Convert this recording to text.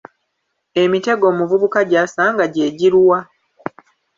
Emitego omuvubuka gy’asanga gye giluwa?